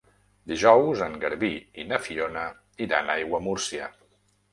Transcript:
Dijous en Garbí i na Fiona iran a Aiguamúrcia.